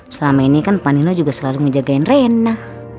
selama ini kan panila juga selalu ngejagain rena